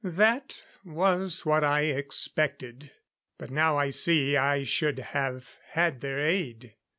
That was what I expected, but now I see I should have had their aid.